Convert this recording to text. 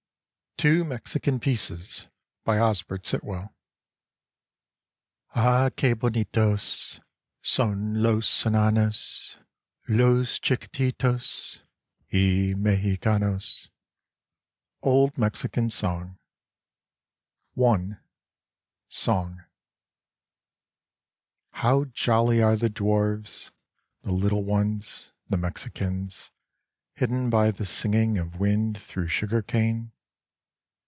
TWO MEXICAN PIECES. "Ah, Que honitos, Son los e/ianos, Los chiquititos, y Med'icanos.'' — Old Mexican Song . SONG. How jolly are the dwarves, the Ittle ones, the Mexicans, Hidden by the singing of wind through sugar cane.